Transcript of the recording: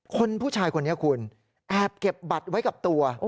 คนผู้ชายคนนี้คุณแอบเก็บบัตรไว้กับตัว